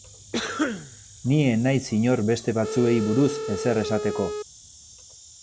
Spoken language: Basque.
Ni ez naiz inor beste batzuei buruz ezer esateko.